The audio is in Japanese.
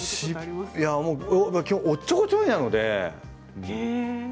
おっちょこちょいなので。